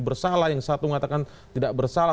bersalah yang satu mengatakan tidak bersalah